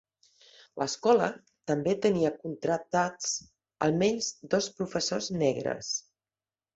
L'escola també tenia contractats almenys dos professors negres.